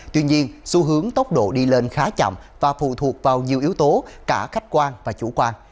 tuy nhiên xu hướng tốc độ đi lên khá chậm và phụ thuộc vào nhiều yếu tố cả khách quan và chủ quan